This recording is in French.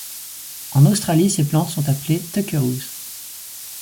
En Australie ces plantes sont appelées tuckeroos.